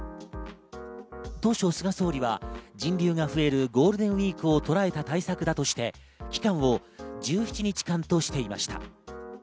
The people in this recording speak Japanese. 当初、菅総理は人流が増えるゴールデンウイークをとらえた対策だとして期間を１７日間としていました。